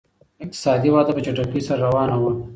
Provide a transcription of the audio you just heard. اقتصادي وده په چټکۍ سره روانه وه.